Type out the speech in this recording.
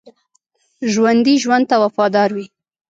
ژوندي ژوند ته وفادار وي